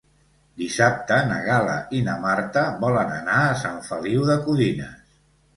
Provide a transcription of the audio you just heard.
Dissabte na Gal·la i na Marta volen anar a Sant Feliu de Codines.